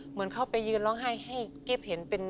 เหมือนเข้าไปยืนร้องไห้ให้กิ๊บเห็นเป็น